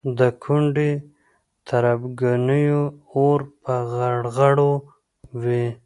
د ګوندي تربګنیو اور په غړغړو وي.